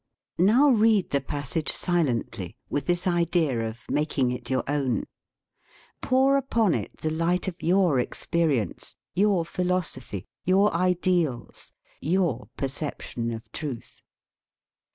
Now read the passage silently with this idea of making it your own. Pour upon it the light of your experience, your philosophy, your ideals, your perception of truth.